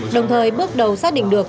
đồng thời bước đầu xác định được